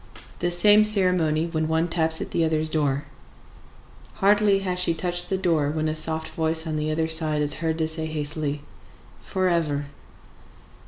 The same ceremony when one taps at the other's door. Hardly has she touched the door when a soft voice on the other side is heard to say hastily, "Forever!"